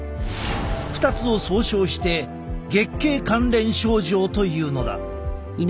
２つを総称して月経関連症状というのだ。